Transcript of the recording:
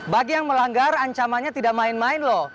bagi yang melanggar ancamannya tidak main main loh